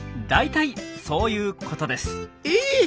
大体そういうことです。え！